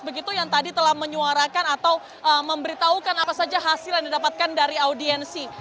begitu yang tadi telah menyuarakan atau memberitahukan apa saja hasil yang didapatkan dari audiensi